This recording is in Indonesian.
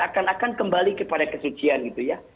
akan akan kembali kepada kesucian gitu ya